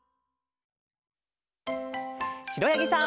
しろやぎさん。